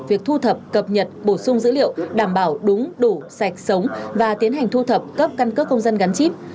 việc thu thập cập nhật bổ sung dữ liệu đảm bảo đúng đủ sạch sống và tiến hành thu thập cấp căn cước công dân gắn chip